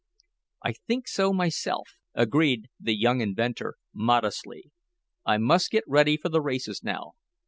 "I think so myself," agreed the young inventor modestly. "I must get ready for the races now."